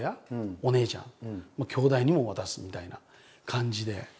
お姉ちゃんきょうだいにも渡すみたいな感じで。